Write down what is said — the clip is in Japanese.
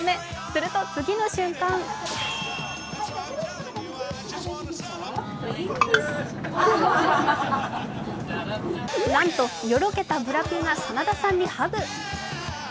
すると次の瞬間なんとよろけたブラピが真田さんにハグ。